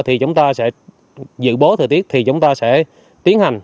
thì chúng ta sẽ dự báo thời tiết thì chúng ta sẽ tiến hành